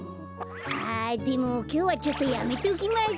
あでもきょうはちょっとやめときます。